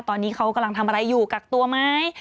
ตอนนี้เขากำลังทำอะไรอยู่กักตัวไหม